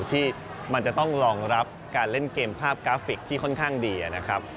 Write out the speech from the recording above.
ที่มันจะต้องรองรับการเล่นเกมภาพกราฟิกที่ค่อนข้างดีนะครับ